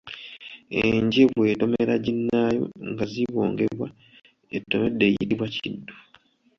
Enje bw’etomera ginnaayo nga zibongebwa, etomedde eyitibwa Kiddu.